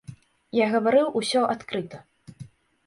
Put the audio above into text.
Я гаварыў усё адкрыта.